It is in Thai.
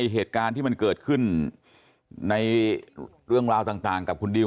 เหตุการณ์ที่มันเกิดขึ้นในเรื่องราวต่างกับคุณดิว